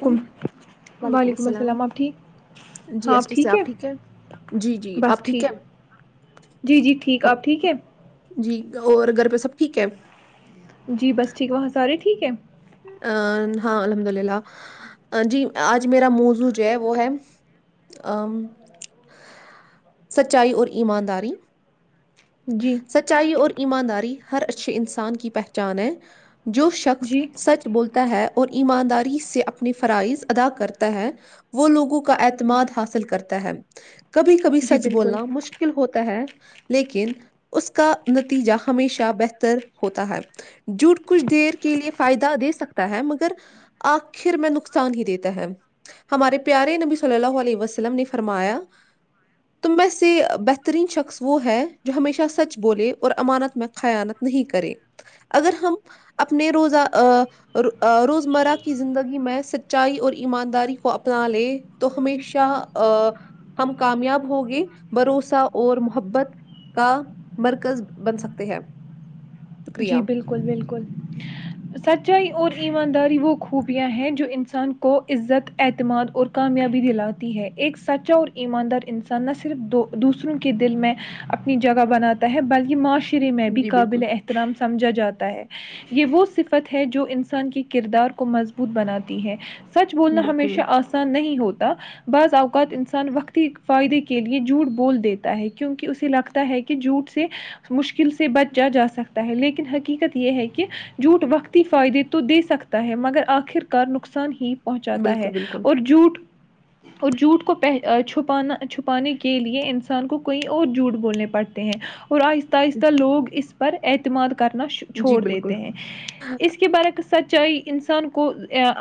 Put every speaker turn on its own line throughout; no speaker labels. کم
وعلیکم السلام آپ ٹھیک
جی
ہاں
ایس
آپ
ٹی سے
ٹھیک ہے
جی جی
بس
آپ
ٹھیک
ہے
جی جی ٹھیک
ہاں،
آپ ٹھیک ہے
جی اور گھر پہ سب ٹھیک ہے
جی بس ٹھیک وہاں سارے ٹھیک ہے
ہاں الحمد للہ جی آج میرا موضوع جو ہے وہ ہے سچائی اور ایمانداری
جی
سچائی اور ایمانداری ہر اچھے انسان کی پہچان ہے جو شخص
جی
سچ بولتا ہے اور ایمانداری سے اپنے فرائض ادا کرتا ہے وہ لوگوں کا اعتماد حاصل کرتا ہے کبھی کبھی
جی
سچ
بالکل
بولنا مشکل ہوتا ہے لیکن اس کا نتیجہ ہمیشہ بہتر ہوتا ہے جھوٹ کچھ دیر کے لیے فائدہ دے سکتا ہے مگر آخر میں نقصان ہی دیتا ہے ہمارے پیارے نبی صلی اللہ علیہ وسلم نے فرمایا تم میں سے بہترین شخص وہ ہے جو ہمیشہ سچ بولے اور امانت میں خانت نہیں کرے اگر ہم اپنے روزہ روزمرہ کی زندگی میں سچائی اور ایمانداری کو اپنا لے تو ہمیشہ ہم کامیاب ہوگے بھروسہ اور محبت کا مرکز بن سکتے ہیں
جی
شکریہ
بالکل بالکل سچائی اور ایماندار وہ خوبیاں ہیں جو انسان کی کو عزت اعتماد اور کامیابی دلاتی ہے ایک سچا اور ایماندار انسان نہ صرف دوسروں کے دل میں اپنی جگہ بناتا ہے بلکہ معاشر ے میں بھی
جی بالکل
قابل اہم سمجھا جاتا ہے یہ وہ صفت ہے جو انسان کے کردار کو مضبوط بناتی ہے سچ بولنا
بالکل
ہمیشہ آسان نہیں ہوتا بعض اوقات انسان وقتی فائدے کے لیے جھوٹ بول دیتا ہے کیونکہ اسے لگتا ہے کہ جھوٹ سے مشکل سے بچا جا سکتا ہے لیکن حقیقت یہ ہے کہ جھوٹ وقتی فائدے تو دے سکتا ہے مگر آخر کار نقصان ہی
بالکل
پہنچاتا
بالکل
ہے
بالکل
اور جھوٹ اور جھوٹ کو پہ چھپانا چھپانے کے لیے انسان کو کوئی اور جھوٹ بولنے پڑتے ہیں اور اہستہ اہستہ لوگ اس پر اعتماد کرنا
جی
چھوڑ
بالکل
دیتے ہیں اس کے برکس سچائی انسان کو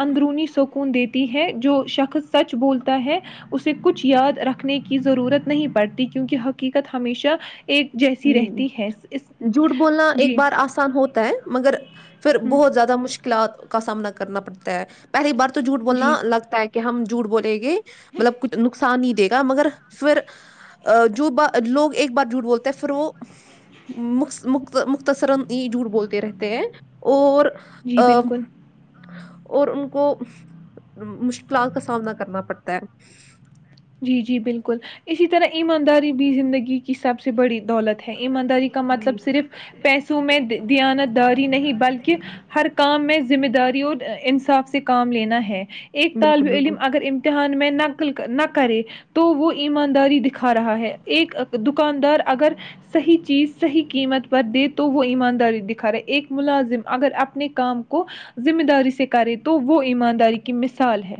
اندرونی سکون دیتی ہے جو شخص سچ بولتا ہے اسے کچھ یاد رکھنے کی ضرورت نہیں پڑتی کیونکہ حقیقت ہمیشہ ایک جیسی
جی
رہتی ہے اس
جھوٹ بولنا ایک
جی
بار آسان ہوتا ہے مگر پھر
ہ
بہت زیادہ مشکلات کا سامنا کرنا پڑتا ہے پہلی بار تو تو جھوٹ
جی
بولنا لگتا ہے کہ ہم جھوٹ بولے گے مطلب کچھ نقصان نہیں دے گا مگر پھر جو ب لوگ ایک بار جھوٹ بولتے ہیں پرو مختصرا یہ جھوٹ بولتے رہتے ہیں اور آ،
جی بالکل
اور ان کو مشکلات کا سامنا کرنا پڑتا ہے
جی جی بالکل اسی طرح ایمانداری بھی زندگی کی سب سے بڑی دولت ہے ایمانداری کا
ہے جی
مطلب صرف پیسوں میں دیانت داری نہیں بلکہ ہر کام میں ذمہ داری اور انصاف سے کام لینا ہے ایک طالب
بالکل
علم
بالکل
اگر امتحان میں ن کلک ن کرے تو وہ ایمانداری دکھا رہا ہے ایک دکاندار اگر صحیح چیز صحیح قیمت پر دے تو وہ ایمانداری دکھا رہا ایک ملازم اگر اپنے کام کو ذمہ داری سے کرے تو وہ ایمانداری کی مثال ہے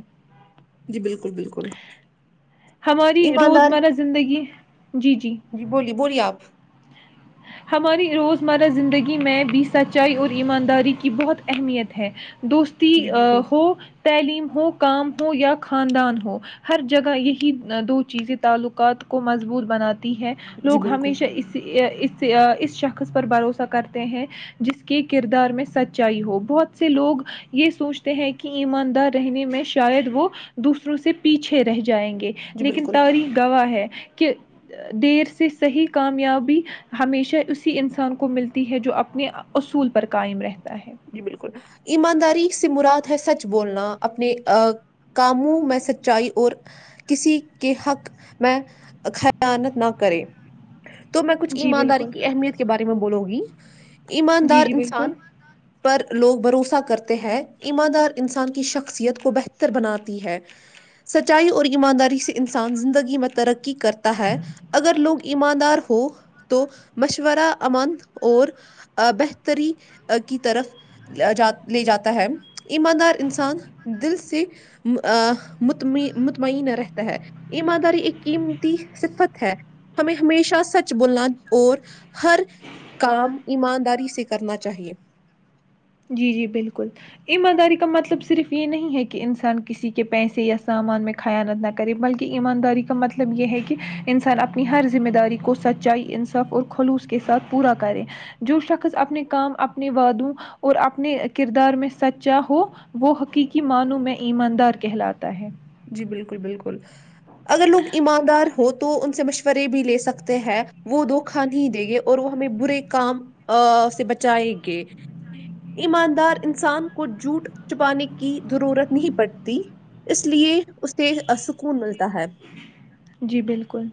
جی بالکل بالکل
ہماری
ایمانداری
روزمرہ زندگی جی جی
بولیے بولیے آپ
ہماری روزمرہ زندگی میں بھی سچائی اور ایمانداری کی بہت اہمیت ہے دوستی
جی
ا
بالکل
ہو تعلیم ہو کام ہو یا خاندان ہو ہر جگہ یہی دو چیزیں تعلقات کو مضبوط بناتے ہے
جی
لوگ
بالکل
ہمیشہ اس سے اس شخص پر بھروسہ کرتے ہیں جس کے کردار میں سچائی ہو بہت سے لوگ یہ سوچتے ہیں کہ ایماندار رہنے میں شاید وہ دوسروں سے پیچھے رہ جی جائیں گے
جی
لیکن
بالکل
تاری گواہ ہے کہ دیر سے صحیح کامیابی ہمیشہ اسی انسان کو ملتی ہے جو اپنے اصول پر قائم رہتی
جی بالکل ایمانداری سمرات سچ بولنا اپنے کاموں میں سچائی اور کسی کے حق میں خانت نہ کرے تو میں کچھ
جی
ایمانداری
بالکل
کی اہمیت کے بارے میں بولوں گی [inaudible]
جی
ایماندار
جی بالکل
انسان پر لوگ بھروسہ کرتے ہیں ایماندار انسان کی شخصیت کو بہتر بناتی ہے سچائی اور ایمانداری سے انسان زندگی میں ترقی کرتا ہے اگر لوگ ایماندار ہو تو مشورہ امن اور بہتری کی طرف جات لے جاتا ہے ایماندار انسان دل سے مطم مطمئن رہتا ہے ایمانداری ایک قیمتی صفت ہے ہمیں ہمیشہ سچ بولنا اور ہر کام ایمانداری سے کرنا چاہیے [unintelligible]
جی جی بالکل ایمانداری کا مطلب صرف یہ نہیں ہے کہ انسان کسی کے پیسے یا سامان میں خیانت نہ کرے بلکہ ایمانداری کا مطلب یہ ہے کہ انسان اپنی ہر ذمہ داری کو سچائی انصاف اور خلوص کے ساتھ پورا کرے جو شخص اپنے کام اپنے وعادوں اور اپنے کردار میں سچا ہو وہ حقیقی منوں میں ایماندار کہلاتا ہے
جی بالکل بالکل اگر لوگ ایماندار ہو تو ان سے مشورے بھی لے سکتے ہیں وہ دو کھا نہیں ہی دے گے اور وہ ہمیں برے کام سے بچائے گے ایماندار انسان کو جوٹ چپانے کی ضرورت نہیں پڑتی اس لیے اسےسکون ملتا ہے
جی بالکل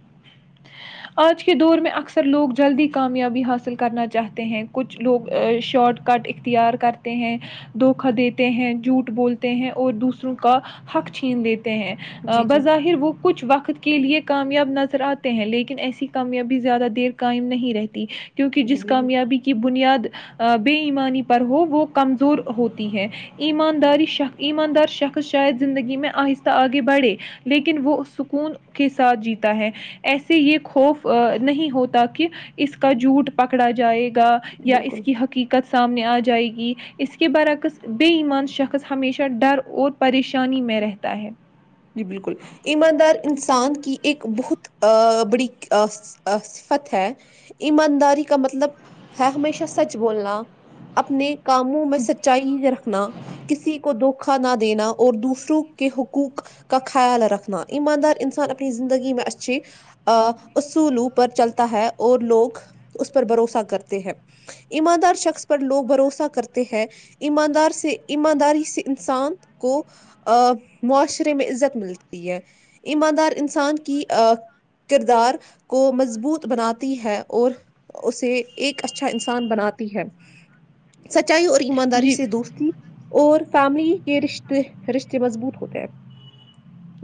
آج کے دور میں اکثر لوگ جلدی کامیابی حاصل کرنا چاہتے ہیں کچھ لوگ شارٹ کٹ اختیار کرتے ہیں دھوکا دیتے ہیں جھوٹ بولتے ہیں اور دوسروں کا حق چھین دیتے ہیں
جی جی
بظاہر وہ کچھ وقت [unintelligible] کے لیے کامیاب نظر آتے ہیں لیکن ایسی کامیابی زیادہ دیر قائم نہیں رہتی کیونکہ
جی
جس
بالکل
کامیابی کی بنیاد بے ایمانی پر ہو وہ کمزور ہوتی ہے ایمانداری شخ ایماندار شخص شاید زندگی میں آہستہ آگے بڑھے لیکن وہ سکون کے ساتھ جیتا ہے ایسے یہ خوف نہیں ہوتا کہ اس کا جھوٹ پکڑا جائے گا یا اس
بالکل
کی حقیقت سامنے آ جائے گی اس کے برعکس بے ایمان شخص ہمیشہ ڈر اور پریشانی میں رہتا ہے
جی بالکل ایماندار انسان کی ایک بہت بڑی صفت ہے ایمانداری کا مطلب ہے ہمیشہ سچ بولنا اپنے کاموں میں سچائی رکھنا کسی کو دکھ [unintelligible] سکھا نہ دینا اور دوسروں کے حقوق کا خیال رکھنا ایماندار انسان اپنی زندگی میں اچھے اصولوں پر چلتا ہے اور لوگ اس پر بھروسہ کرتے ہیں ایماندار شخص پر لوگ بھروسہ کرتے ہیں ایماندار سے ایمانداری سے انسان کو معاشر [unintelligible] میں عزت ملتی ہے ایماندار انسان کی ا کردار کو مضبوط بناتی ہے اور اسے ایک اچھا انسان بناتی ہے سچ [unintelligible] اچائی اور ایمانداری
جی
سے دوستی اور [unintelligible] فیملی کے رشتے رشتے مضبوط ہوتے ہیں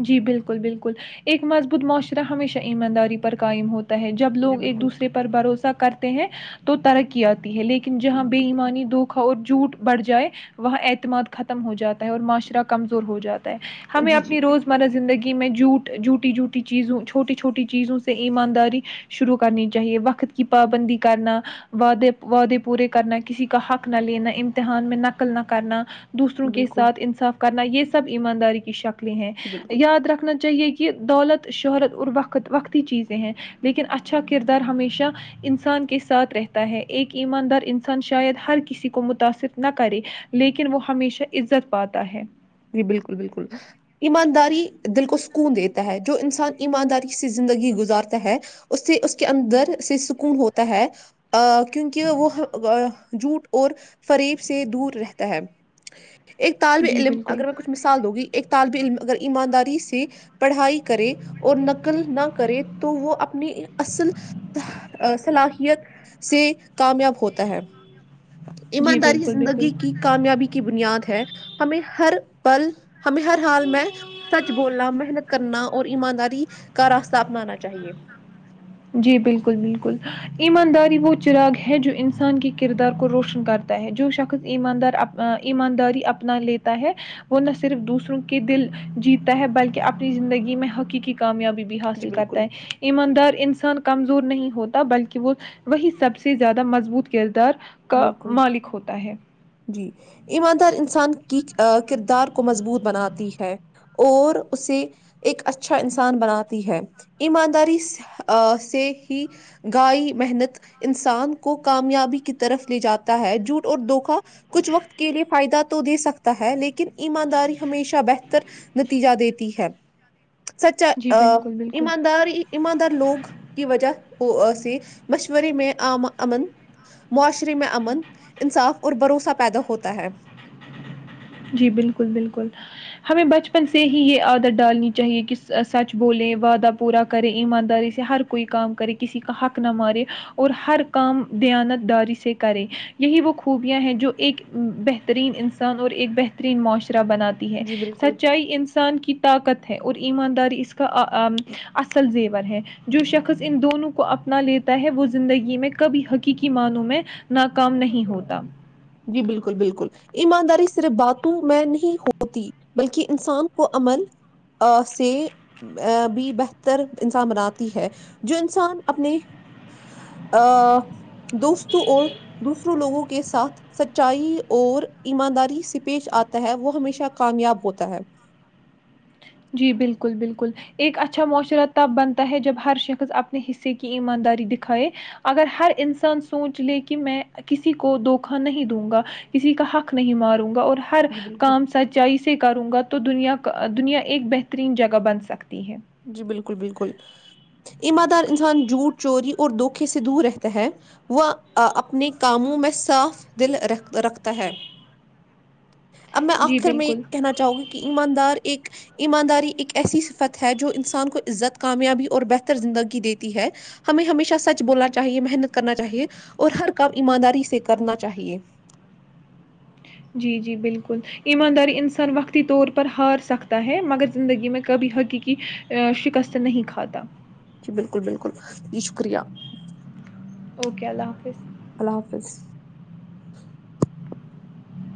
جی بالکل بالکل ایک مضبوط معاشرہ ہمیشہ ایمانداری پر قائم ہوتا ہے جب
جی
لوگ ایک
بالکل
دوسرے پر بھروسہ کرتے ہیں تو ترقیات ہے لیکن جہاں بے ایمانی دھوکھا اور جھوٹ بڑھ جائے وہاں اعتماد ختم ہو جاتا ہے اور معاشرہ کمزور ہو جاتا ہمیں
جی
اپ
جی
روزمرہ زندگی میں جھٹ جھوٹی جوٹی چیزوں چھوٹی چھوٹی چیزوں سے ایمانداری شروع کرنی چاہیے وقت کی پابندی کرنا وعدے وعدے پورے کرنا کسی کا حق نہ لینا امتحان میں نقل نہ کرنا دوسروں کے
بالکل
ساتھ انصاف کرنا یہ سب ایمانداری کی شکل لی ہیں
بالکل
یاد رکھنا چاہ چاہیے کہ دولت شہرت اور وقت وقتی چیزیں ہیں لیکن اچھا کردار ہمیشہ انسان کے ساتھ رہتا ہے ایک ایماندار انسان شاید ہر کسی کو متاثر نہ کرے لیکن وہ ہمیشہ عزت پاتا ہے
جی بالکل بالکل ایمانداری دل کو سکون دیتا ہے جو انسان ایمانداری سے زندگی گزارتا ہے اس سے اس کے اندر سے سکون ہوتا ہے ا کیونکہ وہ جوٹ اور فریب سے دور رہتا ہے ایک طالب
جی
علم
بالکل
اگر میں کچھ مثال دو گی ایک طالب ع اگر ایمانداری سے پڑھائی کرے اور نقل نہ کرے تو وہ اپنی اصل صلاحیت سے کامیاب ہوتا ہے
جی
ایمانداری
بالکل
زندگی کی
بالکل
کامیابی کی بنیاد ہے ہمیں ہر پل ہمیں ہر حال میں سچ بولنا محنت کرنا اور ایمانداری کا راستہ اپنانا چاہیے [inaudible]
جی بالکل بالکل ایمانداری وہ چراغ ہے جو انسان کے کردار کو روشن کرتا ہے جو شخص ایماندار ایمانداری اپنا لیتا ہے وہ نہ صرف دوسروں کے دل جیتتا ہے بلکہ اپنی زندگی میں حقیقی کامیابی بھی
جی
حاصل کرتا
بالکل
ہے ایماندار انس کمزور نہیں ہوتا بلکہ وہ وہی سب سے زیادہ مضبوط کردار کا
بالکل
مالک ہوتا ہے
جی ایماندار انسان کی کردار کو مضبوط بناتی ہے اور اسے ایک اچھا انسان بناتی ہے ایمانداری سے ہی گائے محنت انسان کو کامیابی کی طرف لے جاتا ہے جھوٹ اور دھوکا کچھ وقت کے لیے فائدہ تو تو دے سکتا ہے لیکن ایمانداری ہمیشہ بہتر نتیجہ دیتی ہے سچا
جی بالکل بالکل
ایمانداری ایماندار لوگ کی وجہ سے مشورے میں امن معاشرے میں امن انصاف اور بھروسہ پیدا ہوتا ہے
جی بالکل بالکل ہمیں بچپن سے ہی یہ عادت ڈالنی چاہیے کہ سچ بولیں وعدہ پورا کرے ایمانداری سے ہر کوئی کام کرے کسی کا حق نہ مارے اور ہر کام دیانت داری سے کرے یہی وہ خوبیاں ہیں جو ایک بہترین انسان اور ایک بہترین معاشرے بناتی ہے
جی بالکل
سچائی انسان کی طاقت ہے اور ایمانداری اس کا اصل زیور ہے جو شخص ان دونوں کو اپنا لیتا ہے وہ زندگی میں کب حقیقی مانوں میں ناکام نہیں ہوتا
جی بالکل بالکل ایمانداری صرف باتوں میں نہیں ہوتی بلکہ انسان کو عمل سے ا بھی بہتر انسان بناتی ہے جو انسان اپنے ا دوستوں اور دوسروں لوگوں کے ساتھ سچائی اور ایمانداری سے پیش آتا ہے وہ ہمیشہ کامیاب ہوتا ہے
جی بالکل بالکل ایک اچھا معاشرہ تب بنتا ہے جب ہر شخص اپنے حصے کی ایمانداری دکھائے اگر ہر انسان سوچ لے کہ میں کسی کو دھوکا نہیں دوں گا کسی کا حق نہیں ماروں گا اور ہر
جی بالکل
کام سچائی سے کروں گا تو تو دنیا کا دنیا ایک بہترین جگہ بن سکتی ہے
جی بالکل بالکل ایمادار انسان جھوٹ چوری اور دھوکے سے دور رہتا ہے وہ اپنے کاموں میں صاف دل رکھتا ہے اب میں
جی
آخر میں یہ
بالکل۔
کہنا چاہوں گا کہ ایماندار ایک ایمانداری ایک ایسی سفت ہے جو انسان کو عزت کامیابی اور بہتر زندگی دیتی ہے ہمیں ہمیشہ سچ بولنا چاہیے محنت کرنا چاہیے اور ہر کام ایمانداری سے کرنا چاہیے
جی جی بالکل ایمانداری انسان وقتی طور پر ہار سکتا ہے مگر زندگی میں کبھی حقیقی شکست نہیں کھاتا
جی بالکل بالکل جی شکریہ
اوکے اللہ حافظ
اللہ حافظ